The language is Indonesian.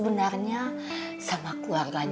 etah si gagot